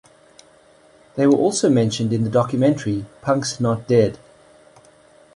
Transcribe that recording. They were also mentioned in the documentary "Punk's Not Dead".